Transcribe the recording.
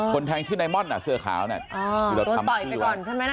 คนแทงชื่อไนม่อนเสื้อขาวเนี่ยโดนต่อยไปก่อนใช่ไหมนั่นอ่ะ